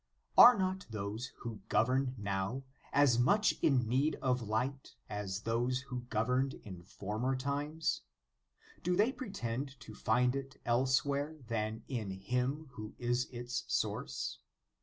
Are not those who govern now, as much in need of light as those who governed in former times ? Do they pretend to find it elsewhere than in Him who is its source?